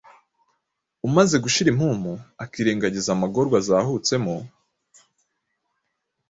umaze gushira impumu, akirengagiza amagorwa azahutsemo,